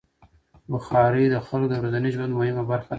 بخاري د خلکو د ورځني ژوند مهمه برخه ده.